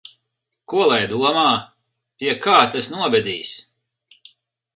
Ko lai domā? Pie kā tas novedīs?